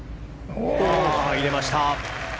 入れました！